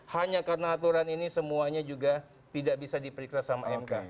hanya karena aturan ini semuanya juga tidak bisa diperiksa sama mk